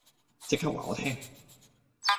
即刻話我聽